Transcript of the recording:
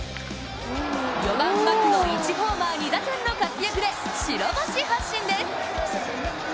４番・牧の１ホーマー２打点の活躍で白星発進です。